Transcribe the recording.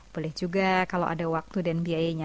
boleh juga kalau ada waktu dan biayanya